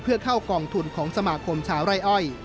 เพื่อเข้ากองทุนของสมาคมชาวไร่อ้อย